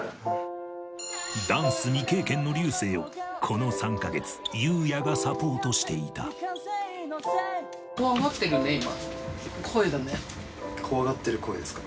ダンス未経験の竜青をこの３か月雄哉がサポートしていた怖がってる声ですか？